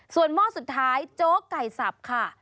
ส่วนหม้อสุดท้ายโจ๊กไก่สับค่ะ